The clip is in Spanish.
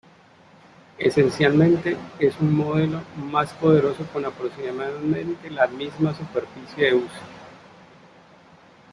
Esencialmente es un modelo más poderoso con aproximadamente la misma superficie de uso.